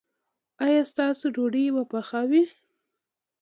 ایا ستاسو ډوډۍ به پخه وي؟